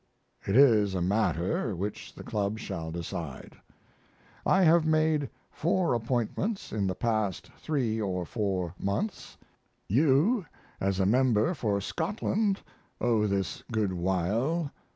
It is a matter, which the club shall decide. I have made four appointments in the past three or four months: You as a member for Scotland oh, this good while!